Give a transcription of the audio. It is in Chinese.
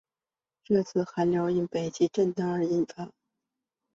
这次寒流因北极震荡发生而引起。